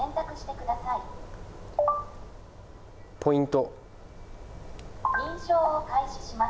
ポイント。